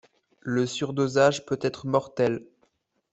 Le surdosage peut être mortel.